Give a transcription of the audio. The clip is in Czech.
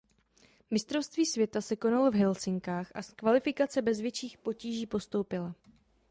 Mistrovství světa se konalo v Helsinkách a z kvalifikace bez větších potíží postoupila.